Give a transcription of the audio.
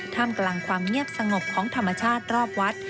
ท่ามกลางความเงียบสงบของธรรมชาติรอบวัด